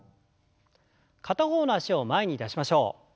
片方の脚を前に出しましょう。